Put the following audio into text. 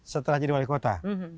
setelah jadi wali kota